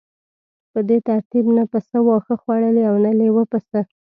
په دې ترتیب نه پسه واښه خوړلی او نه لیوه پسه.